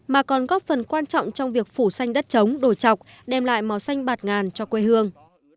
mà còn góp phần quan trọng trong việc phủ xanh đất trống đồi chọc đem lại màu xanh bạt ngàn cho quê hương